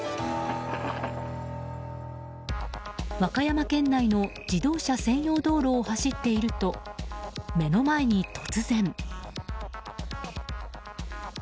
和歌山県内の自動車専用道路を走っていると目の前に突然。